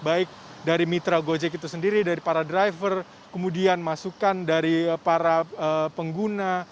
baik dari mitra gojek itu sendiri dari para driver kemudian masukan dari para pengguna